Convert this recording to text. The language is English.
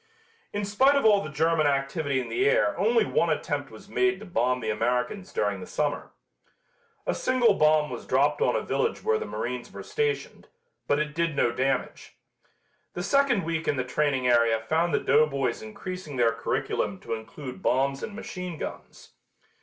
In spite of all the German activity in the air only one attempt was made to bomb the Americans during the summer. A single bomb was dropped on a village where the marines were stationed, but it did no damage. The second week in the training area found the doughboys increasing their curriculum to include bombs and machine guns.